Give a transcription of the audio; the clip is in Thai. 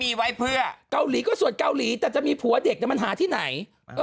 ที่เกาหลีก็ส่วนเกาหลีแต่จะมีผัวเด็กจะมันหาที่ไหน